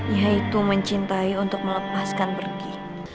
yaitu mencintai untuk melepaskan pergi